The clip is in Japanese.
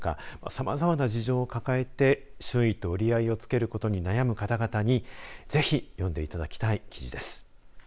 さまざまな事情を抱えて周囲と折り合いをつけることに悩む方々にぜひ読んでいただきたい記事です。